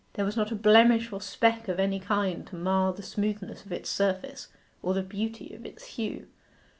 There was not a blemish or speck of any kind to mar the smoothness of its surface or the beauty of its hue.